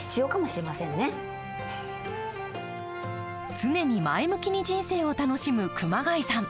常に前向きに人生を楽しむ熊谷さん。